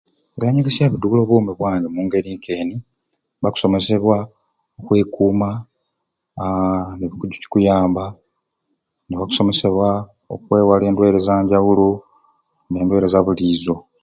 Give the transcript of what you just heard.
Ebyanyegesya bindwire obwomi bwange omungeri nkeni bakusomesebwa okwekuuma haa nekikuyamba nebausomesebwa okwewala endweire ezanjawulo ne ndwaire zabuliizo